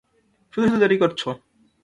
শুধু শুধু দেরী করছো।